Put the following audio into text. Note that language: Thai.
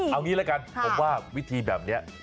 เอางี้ละกันผมว่าวิธีแบบนี้